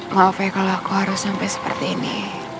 maaf ya kalau aku harus sampai seperti ini